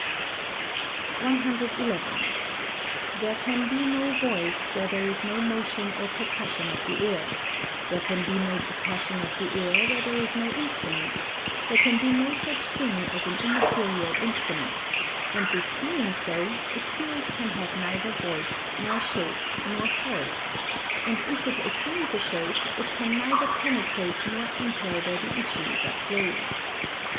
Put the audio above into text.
111. There can be no voice where there is no motion or percussion of the air, there can be no percussion of the air where there is no instrument, there can be no such thing as an immaterial instrument; and this being so, a spirit can have neither voice, nor shape, nor force; and if it assumes a shape it can neither penetrate nor enter where the issues are closed.